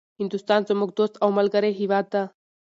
هندوستان زموږ دوست او ملګری هيواد ده